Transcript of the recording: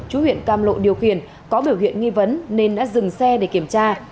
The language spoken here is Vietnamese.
chú huyện cam lộ điều khiển có biểu hiện nghi vấn nên đã dừng xe để kiểm tra